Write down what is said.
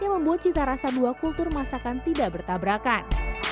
membuat cita rasa dua kultur masakan tidak bertabrakan